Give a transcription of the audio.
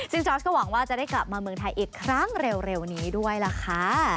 ซึ่งจอร์สก็หวังว่าจะได้กลับมาเมืองไทยอีกครั้งเร็วนี้ด้วยล่ะค่ะ